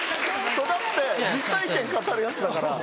育って実体験語るやつだから。